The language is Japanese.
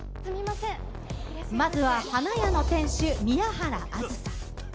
まずは花屋の店主、宮原梓。